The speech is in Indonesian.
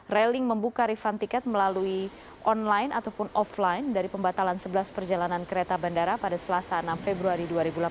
railing membuka refund tiket melalui online ataupun offline dari pembatalan sebelas perjalanan kereta bandara pada selasa enam februari dua ribu delapan belas